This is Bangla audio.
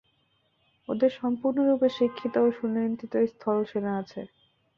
ওদের সম্পূর্ণরূপে শিক্ষিত ও সুনিয়ন্ত্রিত স্থল-সৈন্য আছে।